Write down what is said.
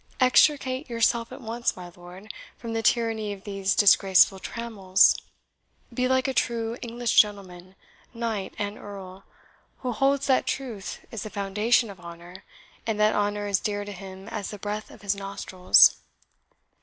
Extricate yourself at once, my lord, from the tyranny of these disgraceful trammels. Be like a true English gentleman, knight, and earl, who holds that truth is the foundation of honour, and that honour is dear to him as the breath of his nostrils.